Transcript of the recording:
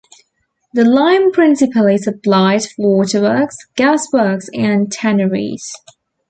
The lime principally supplied for waterworks, gas works and tanneries.